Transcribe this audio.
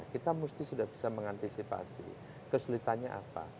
kita mesti sudah bisa mengantisipasi kesulitannya apa